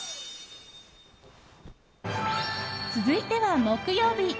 続いては木曜日。